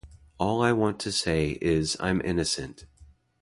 All I want to say is I'm innocent.